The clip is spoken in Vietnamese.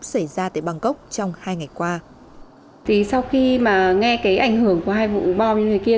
các vụ đánh bom tiếp xảy ra tại bangkok trong hai ngày qua